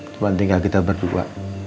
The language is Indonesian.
cuma tinggal kita berdua